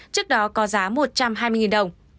trước đó có giá một trăm hai mươi đồng